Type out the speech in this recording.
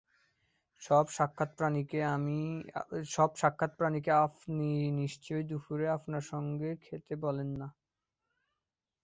সব সাক্ষাৎপ্রাথীকে আপনি নিশ্চয়ই দুপুরে আপনার সঙ্গে খেতে বলেন না?